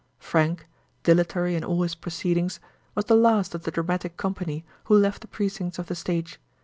Frank, dilatory in all his proceedings, was the last of the dramatic company who left the precincts of the stage.